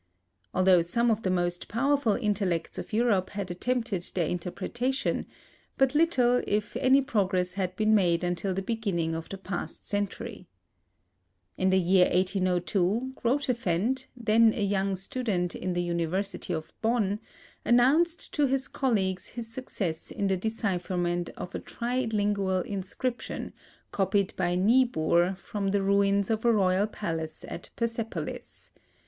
Although some of the most powerful intellects of Europe had attempted their interpretation, but little, if any progress had been made until the beginning of the past century. In the year 1802, Grotefend, then a young student in the University of Bonn, announced to his colleagues his success in the decipherment of a trilingual inscription copied by Niebuhr from the ruins of a royal palace at Persepolis.